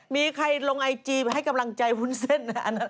มีใครลงไอจีไปให้กำลังใจวุ้นเส้น